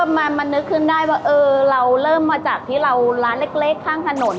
มันนึกขึ้นได้ว่าเออเราเริ่มมาจากที่เราร้านเล็กข้างถนน